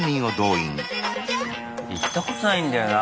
行ったことないんだよなフェスって。